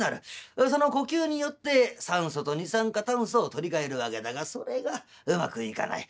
その呼吸によって酸素と二酸化炭素を取り替えるわけだがそれがうまくいかない。